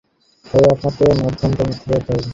তবে আপনাকে মধ্যমপন্থী হতে হবে।